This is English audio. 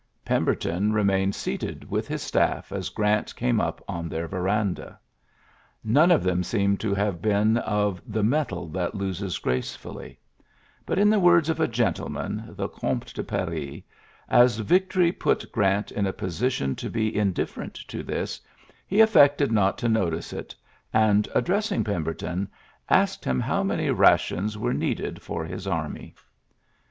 Pem berton remained seated with his staff as Orant came up on their veranda. None of them seem to have been of the mettle that loses gracefdlly ; but in the words of a gentleman, the Gomte de Paris, '^ As victory put Grant in a position to be indifferent to this, he affected not to notice it^ and, addressing Pemberton, asked him how many rations were needed for his army."